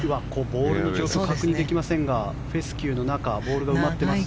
ボールの状況が確認できませんがフェスキューの中ボールが埋まっています。